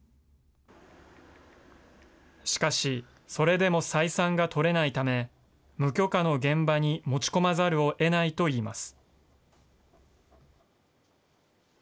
しかし、それでも採算が取れないため、無許可の現場に持ち込まざるをえないといいます。